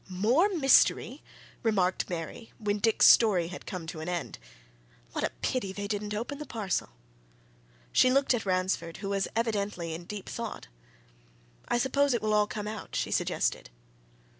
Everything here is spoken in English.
"More mystery!" remarked Mary when Dick's story had come to an end. "What a pity they didn't open the parcel!" She looked at Ransford, who was evidently in deep thought. "I suppose it will all come out?" she suggested.